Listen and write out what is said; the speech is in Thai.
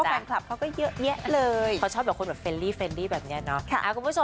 แฟนคลับเค้าก็เยอะเยอะเลยเค้าชอบแบบคนเฟรนลี่แบบเนี่ยเนาะ